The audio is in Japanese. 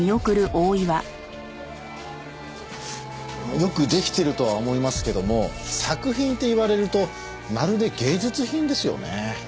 よくできてるとは思いますけども作品って言われるとまるで芸術品ですよね。